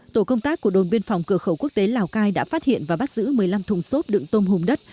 tổ công tác của đồn biên phòng cửa khẩu quốc tế lào cai đã phát hiện và bắt giữ một mươi năm thùng xốp đựng tôm hùm đất